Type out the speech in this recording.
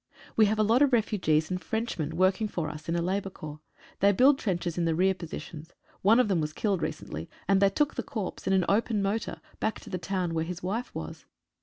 We have a lot of refugees and French men working for us in a Labour Corps. They build trenches in the rear positions. One of them was killed recently, and they took the corpse in an open motor back to the town where his wife was.